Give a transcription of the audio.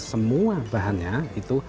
semua bahannya itu